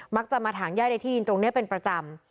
จะมาถางย่าในที่ดินตรงนี้เป็นประจำ